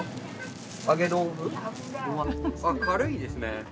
あっ軽いですね。